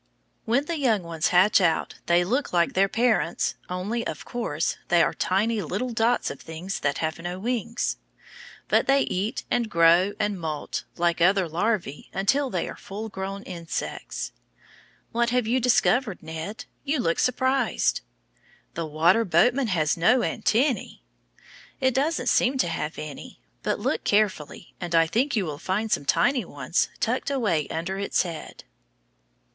When the young ones hatch out they look like their parents, only, of course, they are tiny little dots of things that have no wings. But they eat and grow and moult like other larvæ until they are full grown insects. What have you discovered, Ned? You look surprised. The water boatman has no antennæ! It doesn't seem to have any. But look carefully and I think you will find some tiny ones tucked away under its head.